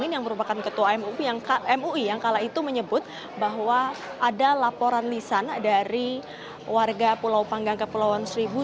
yang merupakan ketua mui yang kala itu menyebut bahwa ada laporan lisan dari warga pulau panggang kepulauan seribu